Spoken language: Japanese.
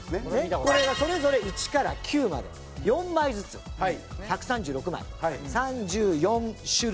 これがそれぞれ１から９まで４枚ずつ１３６枚３４種類。